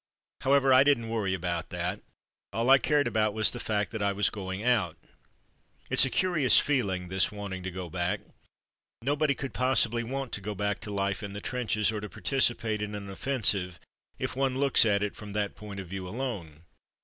However, I didn't worry about that ; all I cared about was the fact that I was going out. It's a curious feeling, this wanting to go back. Nobody could possibly want to go back to life in the trenches or to participate in an offensive, if one looks at it from that point of view alone.